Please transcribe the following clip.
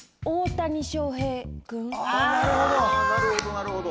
なるほど。